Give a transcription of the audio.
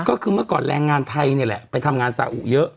ก็คือเมื่อก่อนแรงงานไทยนี่แหละไปทำงานสาอุเยอะ